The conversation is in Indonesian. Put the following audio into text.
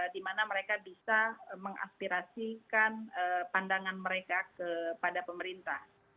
di mana mereka bisa mengaspirasikan pandangan mereka kepada pemerintah